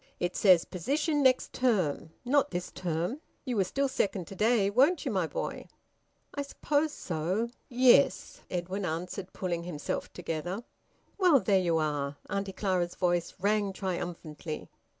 It says, `position next term' not this term. You were still second to day, weren't you, my boy?" "I suppose so. Yes," Edwin answered, pulling himself together. "Well! There you are!" Auntie Clara's voice rang triumphantly.